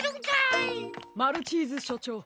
マルチーズしょちょう。